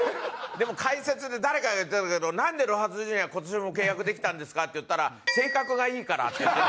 でも解説で誰かが言ってたけど「なんでロハス・ジュニア今年も契約できたんですか？」って言ったら「性格がいいから」って言ってて。